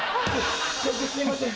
すいません。